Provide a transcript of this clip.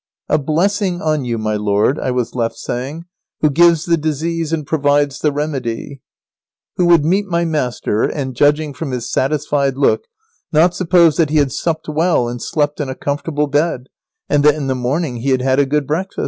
"A blessing on you, my lord," I was left saying, "who gives the disease and provides the remedy." Who would meet my master, and, judging from his satisfied look, not suppose that he had supped well and slept in a comfortable bed, and that in the morning he had had a good breakfast?